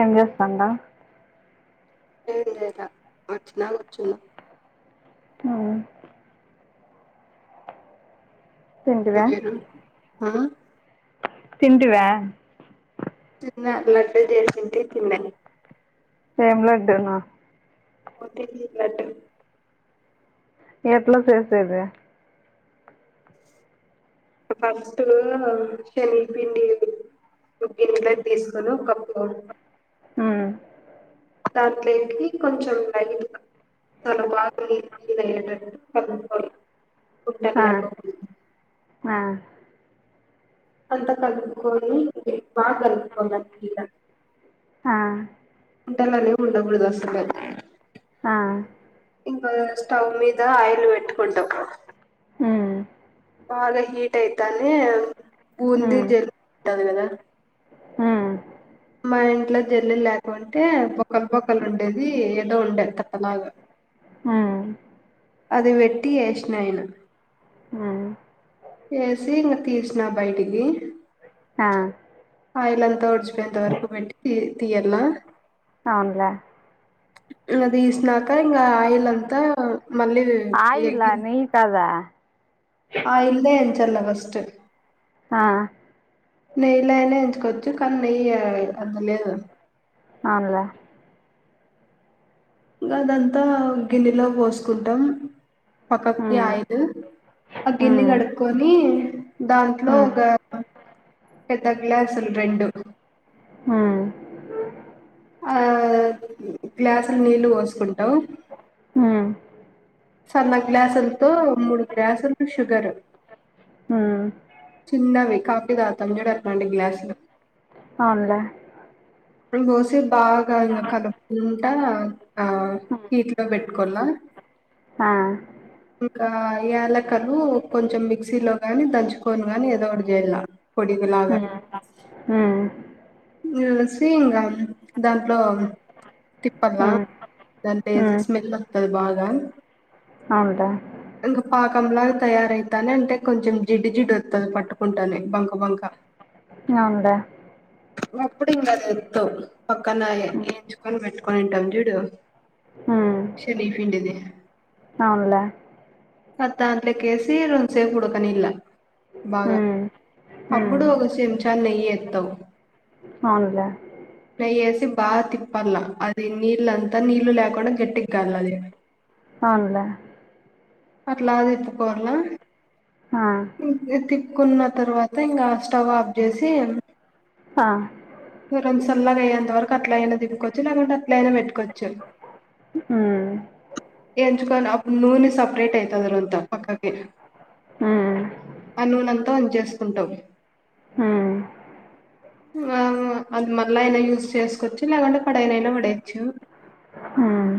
ఏం చేస్తాండావ్ ఏమి చేయల. వచ్చినా. కూర్చున్న. ఉమ్ తింటివా వేరు ఆ తింటివా? తిన్నా లడ్డూ చేసింది తిన్నానే. ఏం లడ్డునో మోతి కిర్ లడ్డు ఎట్ల చేసేది? ఫస్టు శనగపిండి ఒక గిన్నెలోకి తీసుకొని ఒ కప్పు మ్ దాట్లేకి కొంచెం లైతుగా చాలా బాగా నీరు నీరు అయ్యేటట్టు కలుపుకోల్ల. ఆ ఉండల్లేకోకుండ ఆ అంతా కలుపుకొని బాగ కలుపుకోవాల నీళ్లగ. ఆ ఉంటలనేమ్ ఉండకూడదు అస్సలు ఆ ఇంకా స్టవ్ మీద ఆయిల్ పెట్టుకుంటావ్ మ్మ్ బాగా హీట్ అయితానే బూంది జల్ ఉంటాది కదా ఆ మా ఇంట్లో జల్లెలు లేకుం అయితే బొక్కల బొక్కలు ఉండేది ఏదో ఉండేది కట్ట లాగా ఉమ్ అది పెట్టి యేసిన నిను ఉమ్ యేసి ఇంగా తీ తీసినా బయటికి హ ఆయిల్ అంతా వొడ్చిపొయెంత వరకు పెట్టి తీ తీయాల్ల అవునులే ఇంగా తీసినాక ఇంకా ఆయిల్ అంతా మళ్ళీ ఆయిలా ఎగింది నెయ్యి కాదా ఆయిల్ లో ఎచాంల్ల ఫస్ట్ ఆ నెయ్యిలో అయినా ఎంచుకోవచ్చు కానీ నెయ్య అంతలేదు అవునులే ఇంకా అదంతా గిన్నెలో పోసుకుంటాం పక్కకి ఉమ్ ఆయిల్ ఆ గిన్ని ఉమ్ కడుక్కొని దాంట్లో ఉమ్ ఒక పెద్ద గ్లాసులు రెండు ఆ ఆ గ్లాసులు నీళ్ళు పోసుకుంటావు హ్మ్ సన్న గ్లాసులతో మూడు గ్లాసులు షుగరు ఉమ్ చిన్నవి కాఫీ తాగుతారు చూడు అట్లాంటి గ్లాసులు అవునులే పోసి బాగా ఇంగా కలుపుకుంటా ఇంకా హీట్ లో పెట్ కొన్న హ ఇంకా యలక్కలు కొంచెం మిక్సీ లో గాని దంచుకోని గాని ఎదొ ఒకటి చేయల్ల పొడిగ లాగ ఉమ్ ఉమ్ వేసి ఇంగా దాంట్లో తిప్పల్లా ఉమ్ దాన్ని ఎసి స్మెల్ వత్తాది బాగా అంటా ఇంకా పాకంలాగా తయార అయితానే అంటే కొంచెం జిడ్డు జిడ్డు వత్తాది పట్టుకుంటానే బంక బంక అవునులే అప్పుడు ఇంకా దింపు పక్కన ఉమ్ ఎంచుకొని పెట్టుకొని ఉంటాం చూడు ఉమ్, శెనిగిపిండిది అవునులే అది దాంట్లోకి యేసి రొంచేపు ఉడకనియ్యాల బాగా ఉమ్ ఉమ్ అప్పుడు ఒక చెంచా నెయ్యి ఎత్తవ్ అవునులే నెయ్యి యేసి బాగా తిప్పాల్ల అది నీళ్ళంతా నీళ్ళు లేకుండా గట్టిగా కావల్ల అది అవునులే అట్లా అది ఎత్తుకోవాళ్ళ ఆ కున్న తర్వాత ఇంకా స్టవ్ ఆఫ్ చేసి ఆ సల్లాగా అయ్యేంత వరకు అట్ల అయినా దింప్పుకోవచ్చు లేకుంటే అట్ల అయినా పెట్టుకోవచ్చు హ్మ్మ్ ఎంచుకో అప్పు నూనె సపరేట్ అయితది రోంత పక్కకి ఉమ్ ఆ నూనె అంత ఉంచేసుకుంటాం ఉమ్ ఆ అది మళ్ళా అయినా యూస్్ చేసుకోవచ్చు లేకుంటే పడేయనయిన పడేయొచ్చు ఉమ్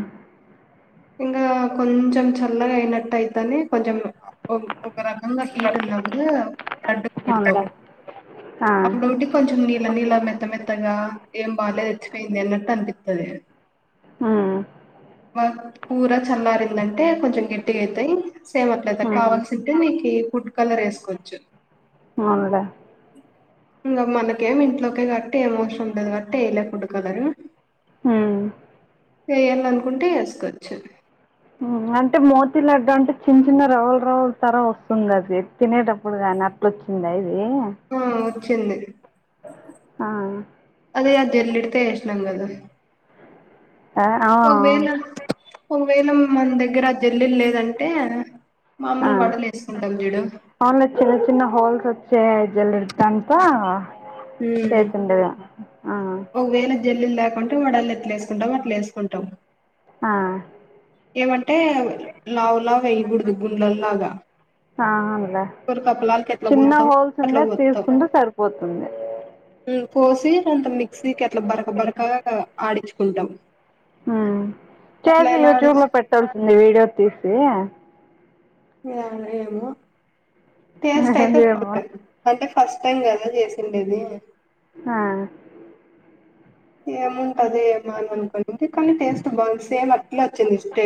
ఇంకా కొంచెం చల్లగా అయినట్టు అయితేనే కొంచెం ఒక రకంగా హీట్ ఉంది అడటి అవునులే ఆ కొంచం [inaudible] ఇలా నీళ మెత్త మెత్తగా ఏం బాాల్య ఏచ్చిపోయింది అన్నట్టు అనిపిస్తుంది ఆ కూర చల్లారిందంటే కొంచెం గట్టిగాయితాయి సేమ్ అట్లద ఉమ్ కావాల్సింటే నీకు ఈ ఫుడ్ కలర్ వేసుకోవచ్చు అ ఇంకా మనక ఏమి ఇంట్లోక గట్టి ఏం అవసరం ఉండదు కట్టి ఏయ లేకుండే కలర్ ఉమ్ ఏయల అనుకుంటే వేసుకోవచ్చు అంటే మోతీ లడ్డు అంటే చిన్న చిన్న రౌలు రవుల తర వస్తుంది అది తినేటప్పుడు కానీ అట్లా దచ్చింద ఇది చెంది ఆ అదే అది ఎలిడితే ఏసినం గదా ఆ ఒకవేళ మన దగ్గర ఆ జల్లుెలు లేదంటే మామూలు ఆ వడలు వేసుకుంటాం జూడు అవున్లే కనుక ఉమ్. చేసిండద ఒకవేళ జల్లులు లేకుంటే వడళ ఎట్లా వేసుకుంటాం అట్లా వేసుకుంటాం ఆ ఏమంటే లావు లాగా వయ్యకూడదు గుండ్లలాగా ఆ అలా ఎట్లా చిన్న పోత్తావు హోల్స్ అట్లా ఉండే పోత్తాం తీసుకుంటె సరిపోతుంది పోసి అంత మిక్సీకి అట్లా బరక బరకగా ఆడించుకుంటాం ఉమ్ చేసి అట్లయినా యూట్యూబ్ లో ఆడచ్చు పెట్టాల్సింది వీడియో తీసి ఇ ఏమో టేస్ట్ అయితే [inaudible] ఏమో బాగుంటది అంటే ఫస్ట్ టైం కదా చేసిండేది ఆ ఏముంటది అదే మాను అన్కంట [inaudible] అంటే కానీ టేస్ట్ బాగుంది సేమ్ అట్లా వచ్చింది స్ే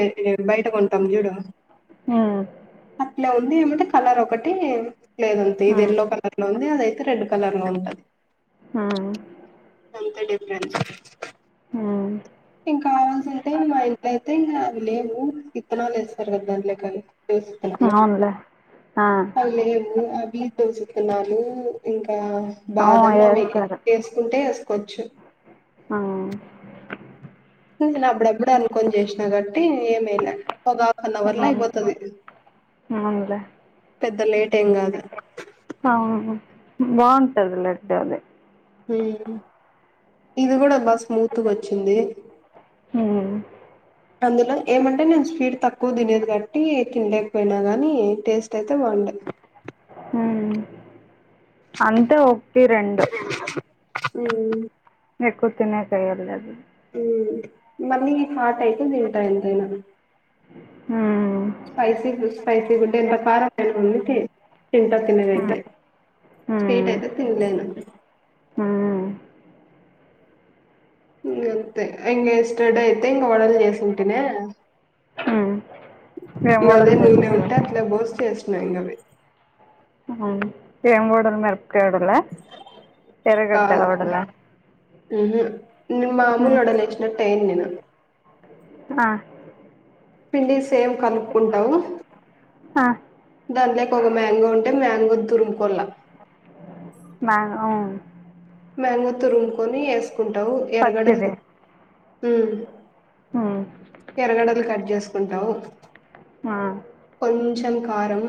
బయట కొంటాం చూడు ఉమ్ అట్లే ఉంది ఏమంటే కలర్ ఒకటి లేదు ఉంతే ఇది ఎల్లో కలర్ లో ఉంది అదయితే రెడ్ కలర్ లో ఉంటది ఆ కొంత డిఫరెన్ట్ ఇంకా కావాల్సి అంటే మా ఇంట్లో అయితే ఇంకా అవి లేవు విత్తనాలు వేస్తారు కదా దాంట్లోకానీ ఉమ్ అవునులే ఆ అవి లేవు వీ దోశ విత్తనాలు ఇంకా అవును బాదం అవి వేస్తారు వేసుకుంటే అచ్చ ఆ నేను అబ్డప్పుడు అనుకొని చేసినా గట్టి ఏమేలే ఒక హాఫ్ అన్ అవర్లా అయిపోతది అవునులే పెద్ద లేట్ ఏం కాదుా అవును బాగుంటది లడ్డు అది ఇది కూడ బా స్మూత్గా ఒచ్చింది ఉమ్ అందులో ఏమంటే నేను స్వీట్ తక్కువ తినేది కట్టి తినలేకపోయినా కాగాని టేస్ట్ అయితే బాగుంటంది ఉ హ్మ్ అంతే ఒకటి రెండు ఊ [unintelligible] మళీ హార్ట్ అయితే తింటా ఎంతైన హ్మ్ స్పైసీ స్పైసీ గుంటే ఎంత ఖారం అయిన ఉన్ని తింటా తినదైతే హ్మ్ స్వీట్ హ్మ్ అయితే తిన్లేను హ్మ్ అంతే ఇంగ ఎస్ అడ్డ అయితే ఇంగ వడల్ చేసింటిన హ్మ్ ఏం ఇంగ అదే వడలు నూనె చేసిండ్రు ఉంటే అట్లే బోసి చేసిన ఇంకవి ఏంబోడలు మెరపకాయ్ వడల ఎరగడ్డ కాదు వడలా హ్మ్ [unintelligible] ఆ పిండి సేమ్ కల్పుకుంటము ఆ దాంట్లోకి ఒక మ్యాంగో ఉంటే మ్యాంగో తురుముకోళ [unintelligible] మ్యాంగో తరుముకొని వేసుకుంటావు ఎరగడ పచ్చిది హ్మ్ ఎరగడలు కట్ చేసుకుంటావ్ ఆ కొంచం కారం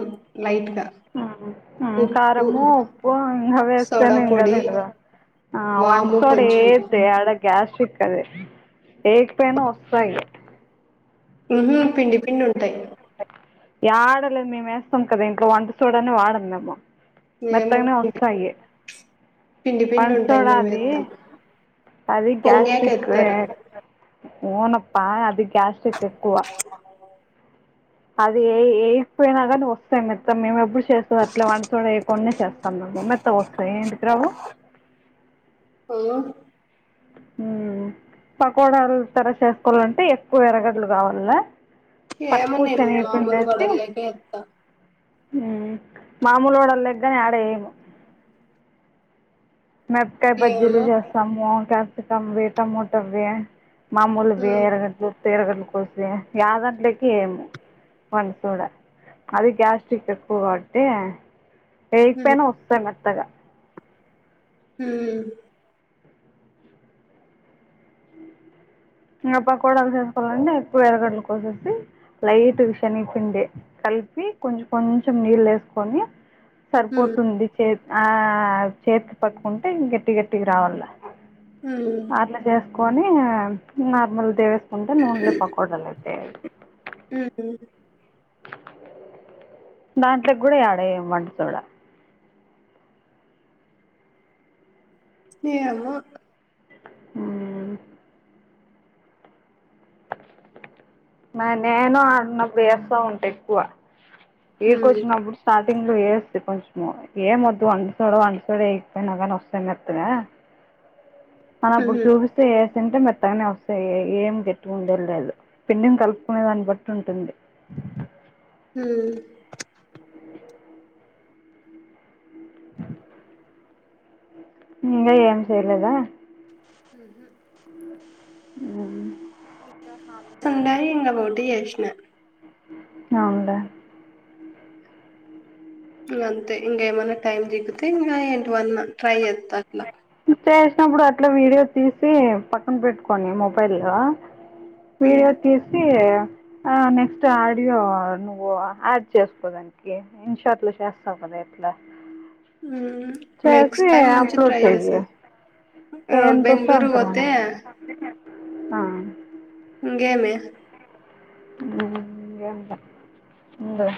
లైట్గ కారము ఉప్పు ఇంగ సోడా వేస్తేనె ఇంగ పొడి, అవే కదా ఆ వంట వాము సోడ కొంచెం ఏయ్యధు యడ గ్యాస్టిక్ అది [unintelligible] వస్తాయ్ ఊహు పిండి పిండి ఉంటాయి [unintelligible] మేమేస్తాం కదా ఇంట్లో వంట సోడనే వాడము మేము మేము మెత్తగానే పిండి వస్తాయి పిండి పిండి వంట ఉంటాయి సోడ అది మేమేత్తం. అది పొంగాక గ్యాస్ట్రైక్ ఎత్తారు. అది గ్యస్టిక్ ఎక్కువ అది ఏ ఏయ్యిపోయినా కానీ వస్తా మత్తం మేము ఎప్పుడు చేస్త అట్ల వంట సోడ కొన్ని చేస్తాం మెత్త వస్తాయి ఏంటికి రావు ఓ పకోడాల తర చేసుకోవాలంటే ఎక్కువ ఎరగడ్డలు కావాల ఏమో తక్కువ నేను శనగ పిండి మామూలు వేసి వడల్లేకే ఎత్తా. మామూల వడ లేకి గానీ యడ ఏయ్యము మిరపకాయ్ బజ్జీలు ఏమో చేస్తాము [unintelligible] టమోటవే మామూలువి హ్మ్. ఎరగడ్లు త ఎరగడ్లు కోసి యదంట్లికి వెయ్యము వంట సోడ అది గ్యాస్ట్రిక్ ఎక్కువ కాబట్టి ఏయ్యకు హ్మ్. పోయిన వస్తయ్ మెత్తగ హు ఇంగ పకొడలు కూడ చేసుకోవాలంటే ఎక్కువ ఎరగడ్లు కోసేసి లైట్గ శేనిగి పిండి కలిపి కొంచెం కొంచెం నీల్లు ఎసుకొని హ్మ్. సరిపోతుంది చే ఆ చేతి పట్టుకుంటే గట్టి గట్టిగ రావ్వల హ్మ్. అట్లా చేసుకొని నార్మల్ డేస్ ఉంటే నూన్లే పకోడాలయితే ఉ హు దాంట్లోకి కూడా యాడ ఎయ్యం వంట సొడ ఎయ్యామాక్ ఆ నా నేను ఏడున్నప్పుడు ఎస్తాఉంటే ఎక్కువ ఏకో హ్మ్. వచ్చిప్పుడు సాధ టింగ్ వేస్తంది కొంచెం ఏం మొద్దు అంటడు చోడ అంట చడ ఏగిపోయినక వస్తాంతుగా కానీ అప్పుడు హ్మ్. చూపిస్తే తంటే మెత్తగానే వస్తాయి ఏం గట్టుగా ఉండే లేదు పిండినీ కలుపుకునే దాన్ని బట్టి ఉంటుంది హ అ ఇకా ఏం చేయలేదా స్ ఉండయి ఇంగ రోటి జేసిన ఆవును లే ఇ అంతే ఇంగ ఏమన్నా టైమ్ దిగుతే ఇ ఏంటి వన్నా ట్రై జేత్ చేసినప్పుడు అట్లా వీడియో తీసి పక్కన పెట్టుకొండి మొబైల్ లొ ఉమ్ వీడియో తీసి ఆ నెక్స్ట్ ఆడియో నువ్ ఆడ్ చేస్కోదాననికి ఇన్షాట్ లో చేస్తావ్ గా అదేట్లా నెక్స్ట్ టైమ్ నుంచి అప్లోడ్ ట్రై చెయ్యి చేస్తా ఆ ఎంత వస్తే బెంగళూర్ అంత రాని. పోతే ఆ, ఇంకేమి ఇంకేం లే. ఉండు.